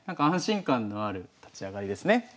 安心感のある立ち上がりですね。